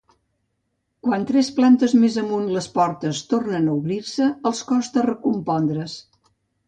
Quan, tres plantes més amunt, les portes tornen a obrir-se, els costa recompondre's.